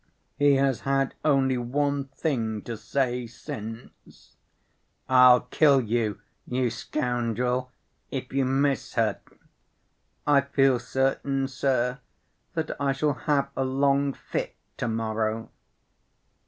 He has had only one thing to say since: 'I'll kill you, you scoundrel, if you miss her,' I feel certain, sir, that I shall have a long fit to‐ morrow."